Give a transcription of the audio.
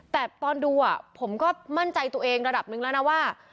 แต่ตอนดูผมก็มั่นใจตัวเองระดับนึงแล้วนะว่า